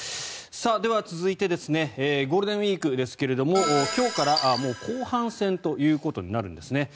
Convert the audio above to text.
では、続いてゴールデンウィークですが今日からもう後半戦ということになるんですね。